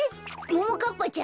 ももかっぱちゃん？